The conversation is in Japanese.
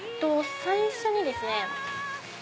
最初にですね